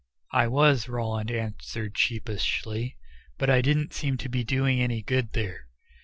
"I was," Rowland answered sheepishly, "but I didn't seem to be doing any good there."